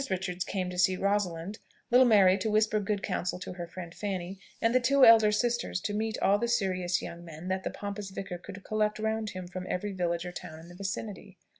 Richards came to see Rosalind, little Mary to whisper good counsel to her friend Fanny, and the two elder sisters to meet all the serious young men that the pompous vicar could collect round him from every village or town in the vicinity.